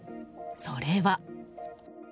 それは。